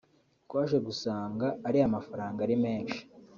“Twaje gusanga ariya mafaranga ari menshi